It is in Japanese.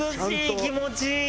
気持ちいい！